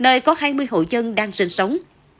lời có hai mươi hộ dân đang sinh sống